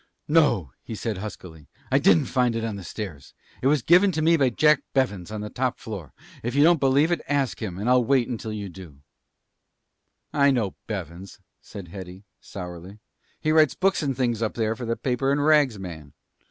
"No," he said huskily, "I didn't find it on the stairs. It was given to me by Jack Bevens, on the top floor. If you don't believe it, ask him. I'll wait until you do." "I know about Bevens," said Hetty, sourly. "He writes books and things up there for the paper and rags man.